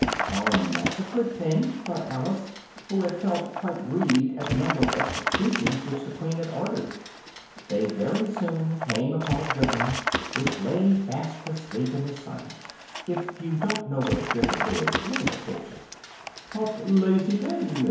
"Come, that's a good thing!" thought Alice, who had felt quite grieved at the number of executions which the Queen had ordered. They very soon came upon a Gryphon, which lay fast asleep in the sun: (if you don't know what a Gryphon is, look at the picture): "Up, lazy thing!"